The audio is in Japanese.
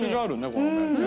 この麺ね。